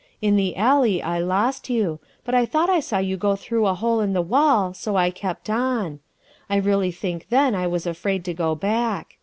In the alley I lost you, but I thought I saw you go through a hole in the wall, so I kept on. I really think then I was afraid to go back.